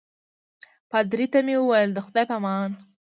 پادري ته مې وویل د خدای په امان.